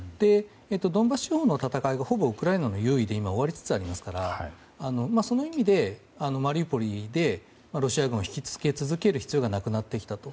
ドンバス地方の戦いがほぼウクライナの有利で今、終わりつつありますからその意味でマリウポリでロシア軍を引き付け続ける必要がなくなってきたと。